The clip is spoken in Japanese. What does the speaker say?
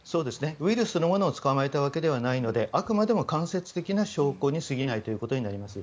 ウイルスを捕まえたわけではなくあくまでも間接的な証拠に過ぎないことになります。